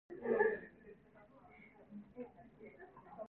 그 못이 내려다보이는 저 푸른 못이다.